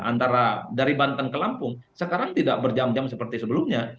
antara dari banten ke lampung sekarang tidak berjam jam seperti sebelumnya